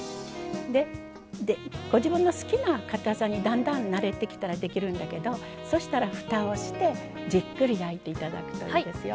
でご自分の好きなかたさにだんだん慣れてきたらできるんだけどそしたらふたをしてじっくり焼いて頂くといいですよ。